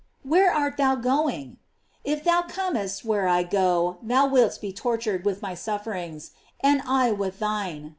Where art thou going? If thou comest where I go, thou wilt be tor tured with my sufferings, and I with thine.